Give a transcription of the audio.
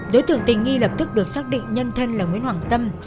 đối tượng tình nghi lập tức được xác định nhân thân là nguyễn hoàng tâm